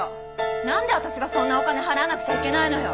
なんで私がそんなお金払わなくちゃいけないのよ！